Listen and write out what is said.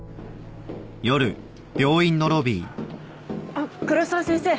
あっ黒沢先生。